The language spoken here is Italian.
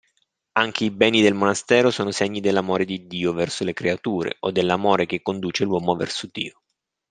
Anche i beni del monastero sono segni dell'amore di Dio verso le creature, o dell'amore che conduce l'uomo verso Dio.